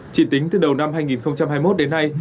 chỉ tính từ đầu năm hai nghìn hai mươi một đến nay